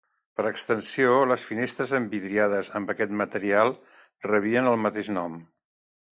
Per extensió, les finestres envidriades amb aquest material rebien el mateix nom.